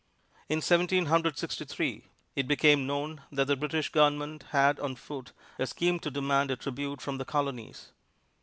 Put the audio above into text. In Seventeen Hundred Sixty three, it became known that the British Government had on foot a scheme to demand a tribute from the Colonies.